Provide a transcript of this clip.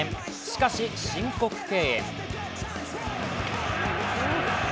しかし申告敬遠。